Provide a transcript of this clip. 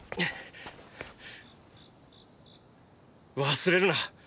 忘れるな。